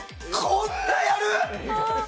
こんなやる！？